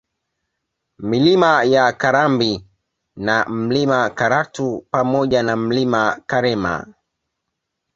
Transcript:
Milima ya Karambi na Mlima Karatu pamoja na Mlima Karema